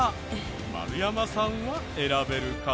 丸山さんは選べるかな？